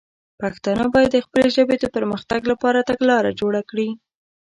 پښتانه باید د خپلې ژبې د پر مختګ لپاره تګلاره جوړه کړي.